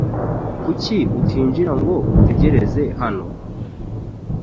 Kuki utinjira ngo utegereze hano?